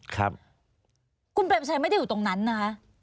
ครับคุณเปรมชัยไม่ได้อยู่ตรงนั้นนะคะ